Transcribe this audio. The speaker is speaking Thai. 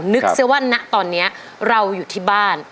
นึกซะว่าณตอนนี้เราอยู่ที่บ้าน